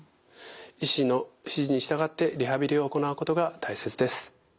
医師の指示に従ってリハビリを行うことが大切です。